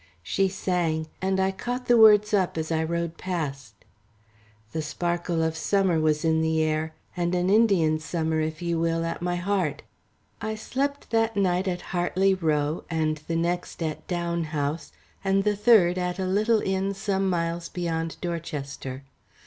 She sang, and I caught the words up as I rode past. The sparkle of summer was in the air, and an Indian summer, if you will, at my heart. I slept that night at Hartley Row, and the next at Down House, and the third at a little inn some miles beyond Dorchester.